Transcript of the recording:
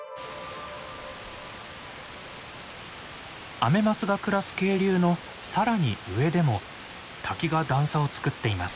アメマスが暮らす渓流の更に上でも滝が段差をつくっています。